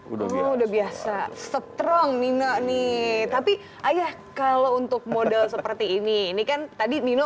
udah biasa strong nino nih tapi ayah kalau untuk model seperti ini ini kan tadi nino